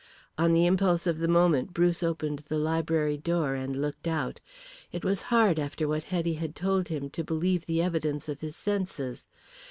On the impulse of the moment Bruce opened the library door and looked out. It was hard after what Hetty had told him to believe the evidence of his senses.